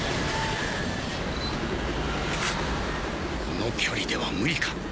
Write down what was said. この距離では無理か。